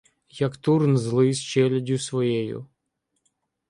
Як Турн злий з челяддю своєю